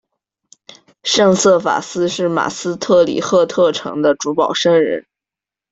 圣瑟法斯是马斯特里赫特城的主保圣人。